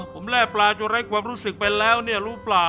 ผมแร่ปลาจนไร้ความรู้สึกไปแล้วเนี่ยรู้เปล่า